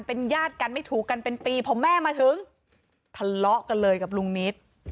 เป็นญาติกันไม่ถูกกันเป็นปีพอแม่มาถึงทะเลาะกันเลยกับลุงนิด